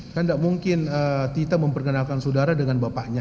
kan tidak mungkin tita memperkenalkan saudara dengan bapaknya